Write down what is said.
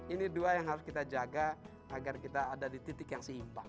ini dua yang harus kita jaga agar kita ada di titik yang seimbang